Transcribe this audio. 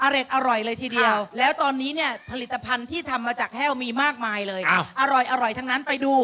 อร่อยเลยทีเดียวแล้วตอนนี้เนี่ยผลิตภัณฑ์ที่ทำมาจากแห้วมีมากมายเลยอร่อยทั้งนั้นไปดู